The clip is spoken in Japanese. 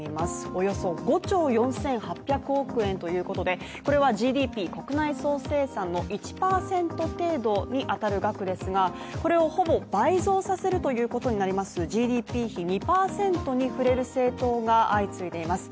およそ５兆４８００億円ということでこれはＧＤＰ＝国内総生産の１％程度に当たる額ですがこれをほぼ倍増させるということになります、ＧＤＰ比２％に触れる政党が相次いでいます。